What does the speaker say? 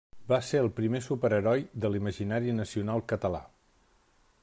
Va ser el primer superheroi, de l'imaginari nacional català.